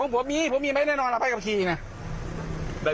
ผมมีผมมีแน่นอนไปกับขี่เนี่ย